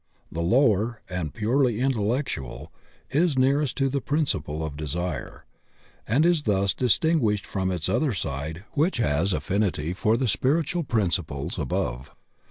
The lower, and purely intellectual, is nearest to the principle of Desire, and is thus distinguished from its other side which has affinity for the spiritual principles above.